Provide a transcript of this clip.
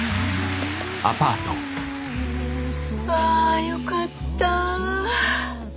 あよかった。